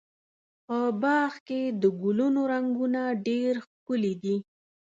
په باغ کې د ګلونو رنګونه ډېر ښکلي دي.